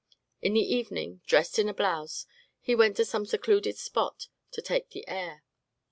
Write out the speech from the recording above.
In the evening, dressed in a blouse, he went to some secluded spot to take the air.